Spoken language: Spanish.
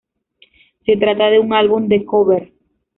Se trata de un álbum de cover.